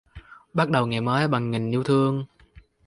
Bắt đầu ngày mới bằng nghìn yêu thương.